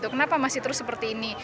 kenapa masih terus seperti ini